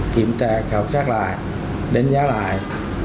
kiểm tra khảo sát lại đánh giá lại